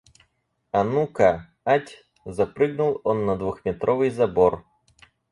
«А ну-ка... ать!» — запрыгнул он на двухметровый забор.